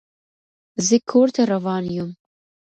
زه کور ته روان يم.